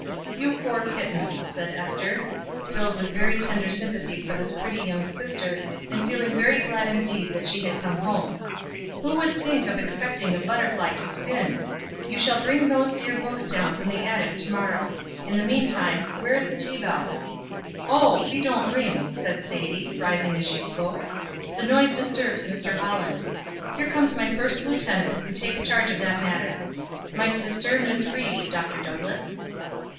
"You poor kitten," said Ester, filled with very tender sympathy for this pretty young sister and feeling very glad indeed that she had come home, "Who would think of expecting a butterfly to spin? You shall bring those dear books down from the attic to morrow. In the meantime, where is the tea bell?" "Oh, we don't ring," said Sadie, rising as she spoke. "The noise disturbs Mr. Holland. Here comes my first lieutenant, who takes charge of that matter. My sister, Miss Ried, Dr. Douglass."